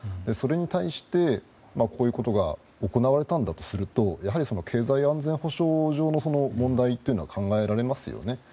それに対してこういうことが行われたんだとすると経済安全保障上の問題というのは考えられますよね。